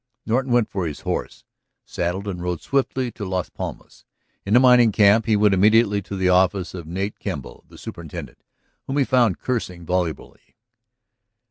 Norton went for his horse, saddled, and rode swiftly to Las Palmas. In the mining camp he went immediately to the office of Nate Kemble, the superintendent, whom he found cursing volubly.